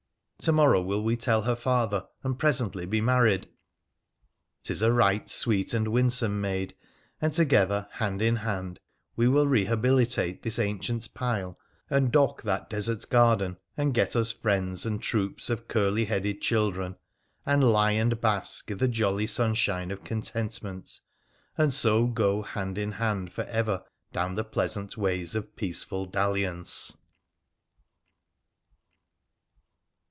To morrow will we tell her father, and presently be married. 'Tis a right sweet and winsome maid, and together, hand in hand, we will rehabilitate this ancient pile, and dock that desert garden, and get us friends, and troops of curly headed children, and lie and bask i' the jolly sunshine of contentment — and so go hand in hand for ever down the pleasant ways of peaceful dalliance.